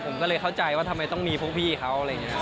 ผมก็เลยเข้าใจว่าทำไมต้องมีพวกพี่เขาอะไรอย่างนี้